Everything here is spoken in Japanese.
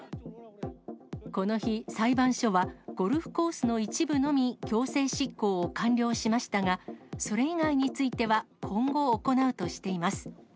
この日、裁判所はゴルフコースの一部のみ強制執行を完了しましたが、それ以外については今後行うとしています。